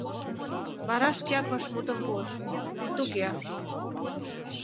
— Вара шкеак вашмутым пуыш: — Туге.